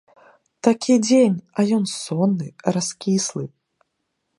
Такі дзень, а ён сонны, раскіслы.